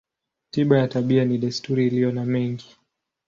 Tiba ya tabia ni desturi iliyo na mengi.